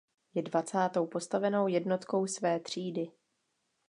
Je dvacátou postavenou jednotkou své třídy.